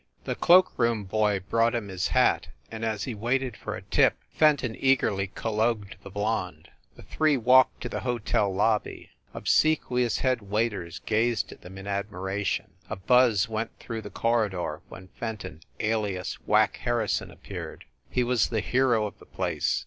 The cloak room boy brought him his hat, and, as he waited for a tip, Fenton eagerly collogued the blonde. The three walked to the hotel lobby. Obsequious head waiters gazed at them in admira tion. A buzz went through the corridor when Fen ton, alias Whack Harrison, appeared. He was the hero of the place.